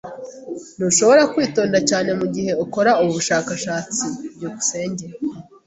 Ntushobora kwitonda cyane mugihe ukora ubu bushakashatsi. byukusenge